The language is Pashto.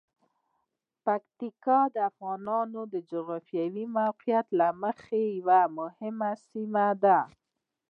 پکتیکا د افغانانو د جغرافیايی موقعیت له مخې یوه مهمه سیمه ده.